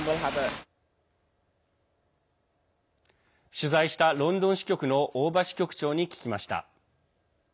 取材した、ロンドン支局の大庭支局長に聞きました。